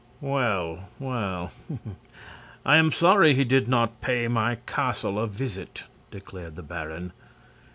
"Well, well; I am sorry he did not pay my castle a visit," declared the baron.